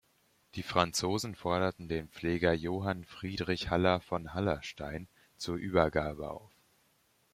Die Franzosen forderten den Pfleger Johann Friedrich Haller von Hallerstein zur Übergabe auf.